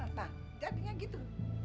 nah jadinya gitu